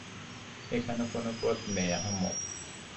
এখানে কোনো পথ নেই, আহাম্মক!